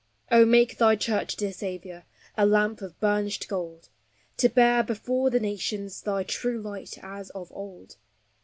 Oh, make thy Church, dear Saviour, A lamp of burnished gold, To bear before the nations Thy true light, as of old.